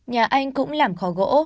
nhà anh cũng làm kho gỗ